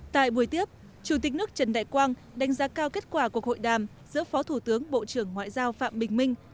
tại buổi tiếp chủ tịch nước trần đại quang đánh giá cao kết quả cuộc hội đàm giữa phó thủ tướng bộ trưởng ngoại giao phạm bình minh